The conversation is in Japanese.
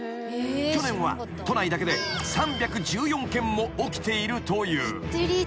［去年は都内だけで３１４件も起きているという］